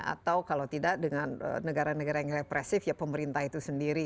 atau kalau tidak dengan negara negara yang represif ya pemerintah itu sendiri